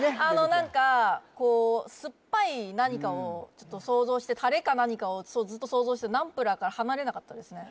何かこう酸っぱい何かを想像してタレか何かをずっと想像してナンプラーから離れなかったですね